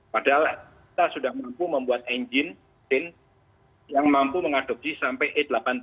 padahal kita sudah mampu membuat enjin yang mampu mengadopsi sampai e delapan puluh lima